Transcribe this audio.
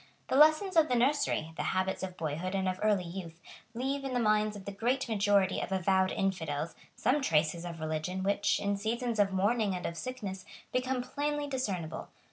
The lessons of the nursery, the habits of boyhood and of early youth, leave in the minds of the great majority of avowed infidels some traces of religion, which, in seasons of mourning and of sickness, become plainly discernible.